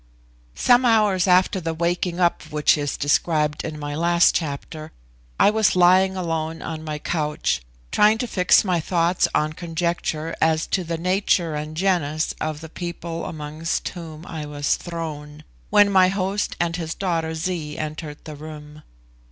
Some hours after the waking up which is described in my last chapter, I was lying alone on my couch trying to fix my thoughts on conjecture as to the nature and genus of the people amongst whom I was thrown, when my host and his daughter Zee entered the room.